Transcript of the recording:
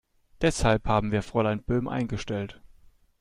Deshalb haben wir Fräulein Böhm eingestellt.